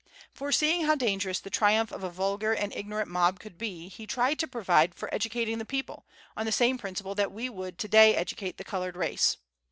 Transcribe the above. Foreseeing how dangerous the triumph of a vulgar and ignorant mob would be, he tried to provide for educating the people, on the same principle that we would to day educate the colored race.